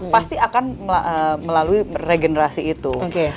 pasti akan melalui regenerasi itu